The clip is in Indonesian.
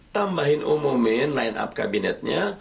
tambahin umumin line up kabinetnya